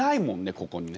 ここにね。